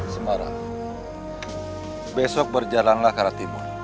semarang besok berjalanlah ke arah timur